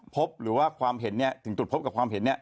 พบหรือว่าความเห็นถึงตรวจพบกับความเห็น